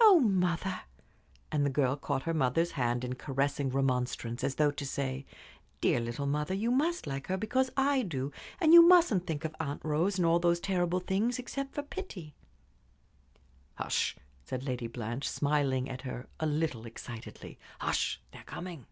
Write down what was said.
"Oh, mother!" And the girl caught her mother's hand in caressing remonstrance, as though to say: "Dear little mother, you must like her, because I do; and you mustn't think of Aunt Rose, and all those terrible things, except for pity." "Hush!" said Lady Blanche, smiling at her a little excitedly. "Hush; they're coming!"